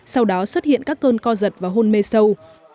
sau đó xuất hiện các cơn co giật và hôn mê sâu